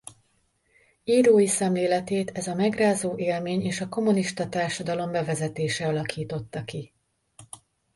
Írói szemléletét ez a megrázó élmény és a kommunista társadalom bevezetése alakította ki.